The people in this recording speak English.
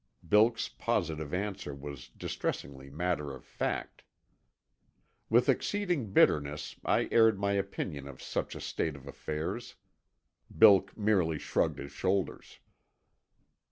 Bilk's positive answer was distressingly matter of fact. With exceeding bitterness I aired my opinion of such a state of affairs. Bilk merely shrugged his shoulders.